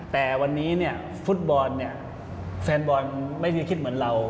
แต่วันนี้ฟุตบอลแฟนบอลไม่ได้คิดเหมือนเรา